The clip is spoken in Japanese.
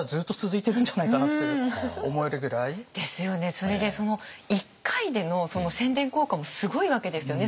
それで一回での宣伝効果もすごいわけですよね